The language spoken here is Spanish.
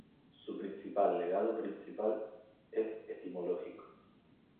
Su principal legado principal es etimológico.